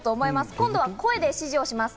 今度は声で指示をします。